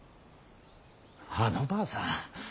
あのばあさん